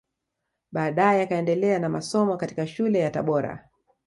Baadae akaendelea na masomo katika shule ya Tabora